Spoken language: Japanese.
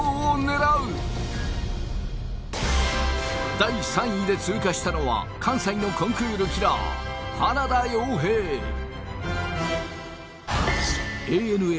第３位で通過したのは関西のコンクールキラー花田洋平ＡＮＡ